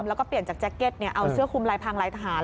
แล้วก็เปลี่ยนจากแจ็คเก็ตเอาเสื้อคุมลายพังลายทหาร